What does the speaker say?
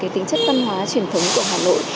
tính chất văn hóa truyền thống của hà nội